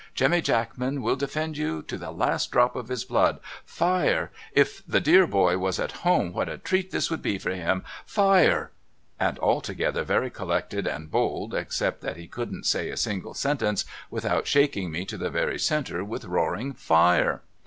Jemmy Jackman will defend you to the last drop of his blood — Fire ! If the dt;ar boy was at home what a treat this would be for him — Fire !' and altogether very collected and bold except that he couldn't say a single sentence without shaking me to the very centre with roaring Fire.